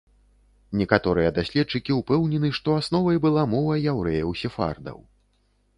Некаторыя даследчыкі ўпэўнены, што асновай была мова яўрэяў-сефардаў.